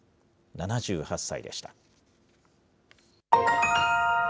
７８歳でした。